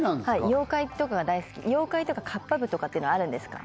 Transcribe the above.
妖怪とかが大好き妖怪とかカッパ部とかってのはあるんですか？